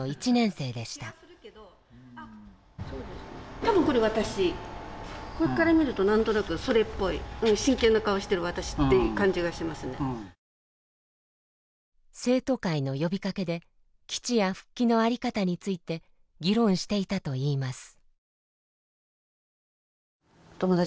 生徒会の呼びかけで基地や復帰の在り方について議論していたといいます。